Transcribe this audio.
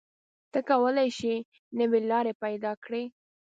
ته کولی شې نوې لارې پیدا کړې.